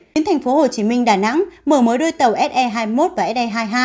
tiến thành phố hồ chí minh đà nẵng mở mối đôi tàu se hai mươi một và se hai mươi hai